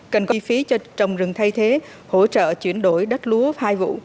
cần có chi phí cho trồng rừng thay thế hỗ trợ chuyển đổi đất lúa hai vụ